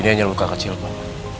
ini hanya luka kecil pak